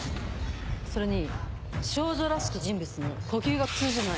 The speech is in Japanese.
それに少女らしき人物の呼吸が普通じゃない。